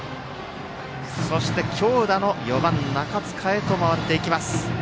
そして強打の４番中塚へと回っていきます。